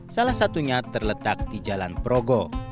salah satunya terletak di jalan progo